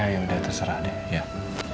yaudah terserah deh